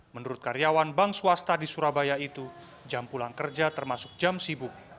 menurut karyawan bank swasta di surabaya itu jam pulang kerja termasuk jam sibuk